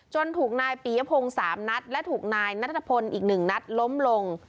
ถูกนายปียพงศ์๓นัดและถูกนายนัทพลอีก๑นัดล้มลง